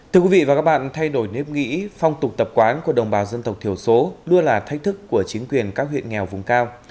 thưa quý vị và các bạn thay đổi nếp nghĩ phong tục tập quán của đồng bào dân tộc thiểu số luôn là thách thức của chính quyền các huyện nghèo vùng cao